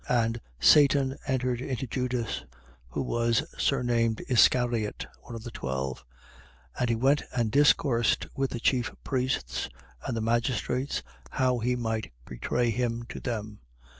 22:3. And Satan entered into Judas, who was surnamed Iscariot, one of the twelve. 22:4. And he went and discoursed with the chief priests and the magistrates, how he might betray him to them.